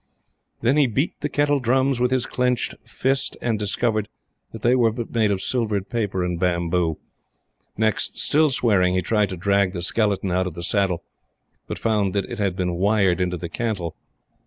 Then he beat the kettle drums with his clenched fist, and discovered that they were but made of silvered paper and bamboo. Next, still swearing, he tried to drag the skeleton out of the saddle, but found that it had been wired into the cantle.